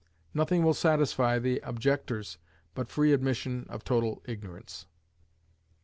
Nothing will satisfy the objectors but free admission of total ignorance.